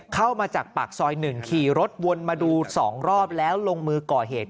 เข้ามาจากปากซอย๑ขี่รถวนมาดู๒รอบแล้วลงมือก่อเหตุ